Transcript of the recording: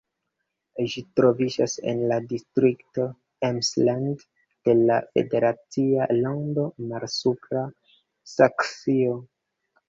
Ĝi troviĝas en la distrikto Emsland de la federacia lando Malsupra Saksio.